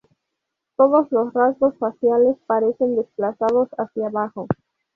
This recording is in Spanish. Todos los rasgos faciales parecen desplazados hacia abajo.